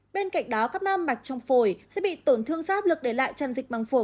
bên cạnh đó các nam mạch trong phổi sẽ bị tổn thương sát lực để lại tràn dịch măng phổi